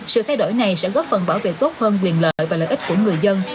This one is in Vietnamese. sự thay đổi này sẽ góp phần bảo vệ tốt hơn quyền lợi và lợi ích của người dân